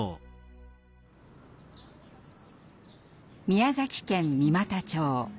宮崎県三股町。